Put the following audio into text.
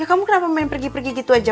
ya kamu kenapa main pergi pergi gitu aja